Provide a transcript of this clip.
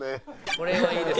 これはいいですよ。